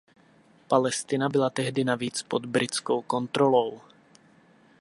Palestina byla tehdy navíc pod britskou kontrolou.